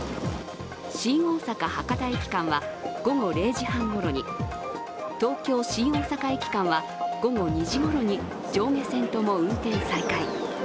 新大阪−博多駅間は午後０時半ごろに、東京−新大阪駅間は午後２時ごろに上下線とも運転再開。